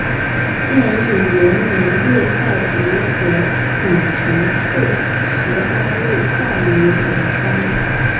建义元年月在夷则丙辰朔十八日葬于邙山。